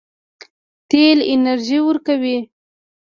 تیل انرژي ورکوي.